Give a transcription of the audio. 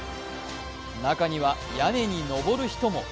中には屋根に上る人も。